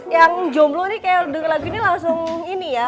yang jomblo nih kayak denger lagu ini langsung ini ya